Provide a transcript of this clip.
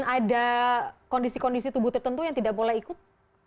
ada kondisi kondisi tubuh tertentu yang tidak boleh ikut